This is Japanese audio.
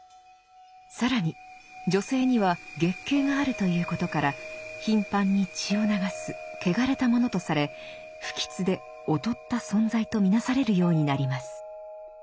更に女性には月経があるということから頻繁に血を流すけがれたものとされ不吉で劣った存在と見なされるようになります。